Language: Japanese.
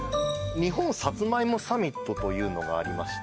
日本さつまいもサミットというのがありまして